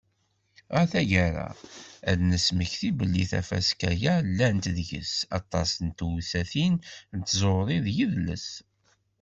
Ɣer taggara, ad d-nesmekti belli tafaska-a, llant deg-s aṭas n tewsatin n tẓuri d yidles.